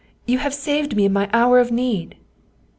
You have saved me in my hour of need."